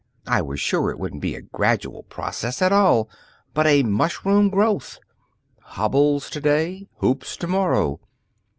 I was sure it wouldn't be a gradual process at all but a mushroom growth hobbles to day, hoops to morrow.